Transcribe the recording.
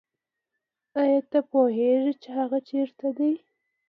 آیا ته پوهېږې چې هغه چېرته دی؟